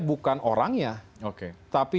bukan orangnya tapi